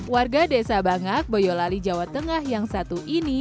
warga desa bangak boyolali jawa tengah yang satu ini